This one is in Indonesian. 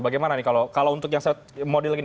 bagaimana nih kalau untuk yang saya modelin